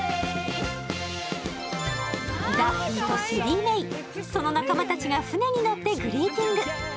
ダッフィーとシェリーメイ、その仲間たちが船に乗ってグリーティング。